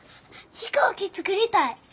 飛行機作りたい！